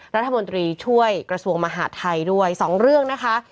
รัฐมนตรีช่วยกระทรวงมหาดไทยด้วย๒เรื่องนะคะ